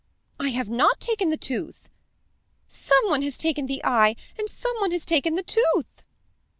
"I have not taken the tooth." "Some one has taken the eye, and some one has taken the tooth."